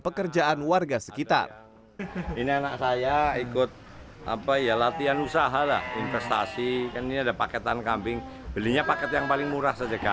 pekerjaan warga sekitar